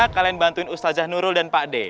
kalian bantuin ustazah nurul dan pak d